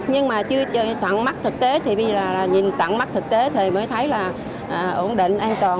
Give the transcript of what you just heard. nhưng mà chưa tận mắt thực tế thì bây giờ nhìn tận mắt thực tế thì mới thấy là ổn định an toàn